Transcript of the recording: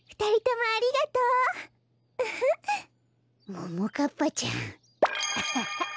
ももかっぱちゃんアハハ。